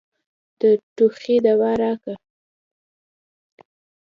د ټوخي دوا راکه.